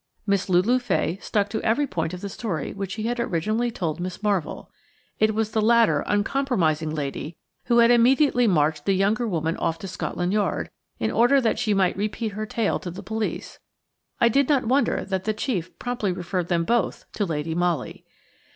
Miss Lulu Fay stuck to every point of the story which she had originally told Miss Marvell. It was the latter uncompromising lady who had immediately marched the younger woman off to Scotland Yard in order that she might repeat her tale to the police. I did not wonder that the chief promptly referred them both to Lady Molly.